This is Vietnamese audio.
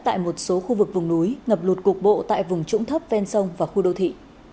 tại một số khu vực vùng núi ngập lụt cục bộ tại vùng trũng thấp ven sông và khu đô thị